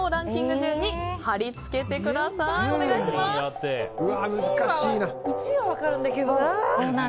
１位は分かるんだけど。